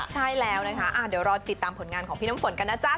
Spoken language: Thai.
ใช่แล้วนะคะเดี๋ยวรอติดตามผลงานของพี่น้ำฝนกันนะจ๊ะ